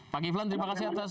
pak kiflan terima kasih atas